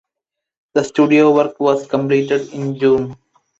The studio work was completed in June.